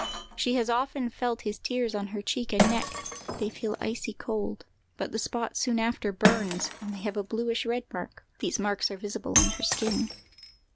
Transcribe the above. _ She has often felt his tears on her cheek and neck; they felt icy cold; but the spot soon after burns, and they have a bluish red mark. (These marks are visible on her skin.)